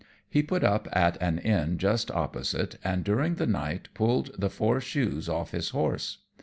He put up at an inn just opposite, and during the night pulled the four shoes off his horse.